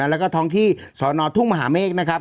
แล้วก็ท้องที่สอนอทุ่งมหาเมฆนะครับ